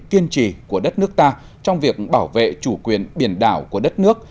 kiên trì của đất nước ta trong việc bảo vệ chủ quyền biển đảo của đất nước